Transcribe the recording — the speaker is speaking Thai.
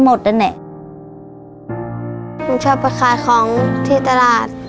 ผมชอบประคาของที่ตลาด